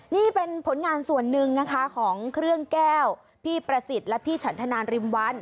นี่เป็นผลงานส่วนหนึ่งนะคะของเครื่องแก้วพี่ประสิทธิ์และพี่ฉันธนาริมวัน